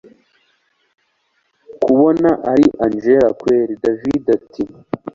kubona ari angella kweli david ati